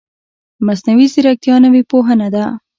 مصنوعي ځیرکتیا نوې پوهنه ده